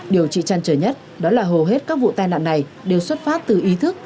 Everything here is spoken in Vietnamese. điều chị chăn trời nhất đó là hầu hết các vụ tai nạn này đều xuất phát từ ý thức